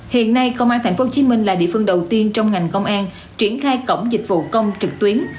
hiện nay công an tp hcm là địa phương đầu tiên trong ngành công an triển khai cổng dịch vụ công trực tuyến